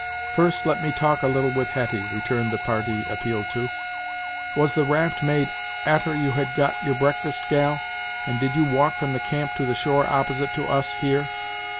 "First let me talk a little with Hetty," returned the party appealed to; "Was the raft made a'ter you had got your breakfast, gal, and did you walk from the camp to the shore opposite to us, here?"